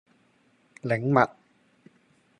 檸蜜